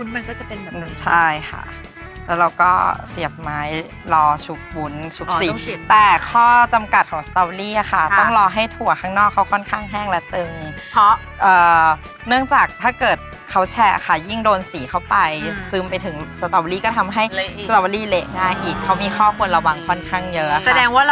มันก็จะเป็นแบบนั้นใช่ค่ะแล้วเราก็เสียบไม้รอฉุกวุ้นฉุกสีแต่ข้อจำกัดของสตอเวอรี่ค่ะต้องรอให้ถั่วข้างนอกเขาค่อนข้างแห้งและตึงเพราะเนื่องจากถ้าเกิดเขาแฉะค่ะยิ่งโดนสีเข้าไปซึมไปถึงสตอเวอรี่ก็ทำให้สตอเวอรี่เละง่ายอีกเขามีข้อควรระวังค่อนข้างเยอะแสดงว่า